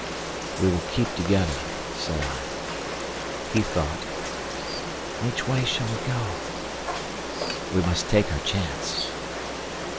"We will keep together," said I. He thought. "Which way shall we go?" "We must take our chance."